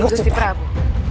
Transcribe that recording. terima kasih gusti prabu